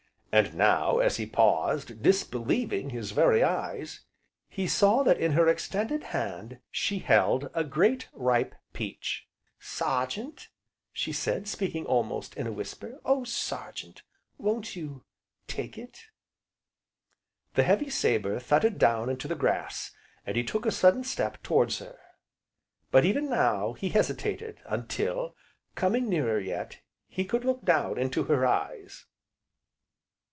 And now, as he paused, disbelieving his very eyes, he saw that in her extended hand she held a great ripe peach. "Sergeant!" she said, speaking almost in a whisper, "Oh Sergeant won't you take it?" The heavy sabre thudded down into the grass, and he took a sudden step towards her. But, even now, he hesitated, until, coming nearer yet, he could look down into her eyes.